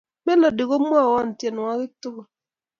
melodi komwowo tienuakik tukul